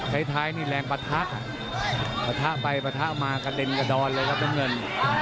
สุดท้ายนี่แรงปะทะปะทะไปปะทะออกมากระเด็นกระดอนเลยครับทุกคน